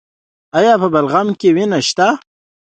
ایا په بلغم کې وینه شته؟